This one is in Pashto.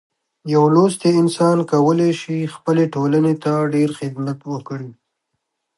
یو لوستی انسان کولی شي خپلې ټولنې ته ډیر خدمت وکړي.